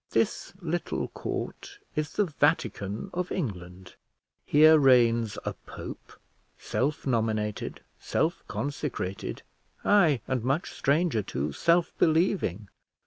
This little court is the Vatican of England. Here reigns a pope, self nominated, self consecrated, ay, and much stranger too, self believing!